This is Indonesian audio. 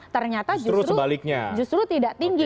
ternyata justru tidak tinggi